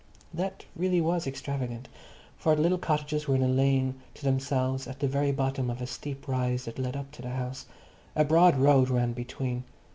That really was extravagant, for the little cottages were in a lane to themselves at the very bottom of a steep rise that led up to the house. A broad road ran between.